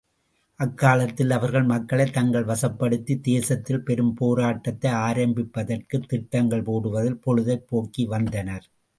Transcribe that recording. அக்காலத்தில் அவர்கள் மக்களைத் தங்கள் வசப்படுத்தித் தேசத்தில் பெரும் போராட்டத்தை ஆரம்பிப்பதற்குத் திட்டங்கள் போடுவதில் பொழுதைப் போக்கிவந்தனர்.